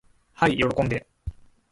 はい喜んで。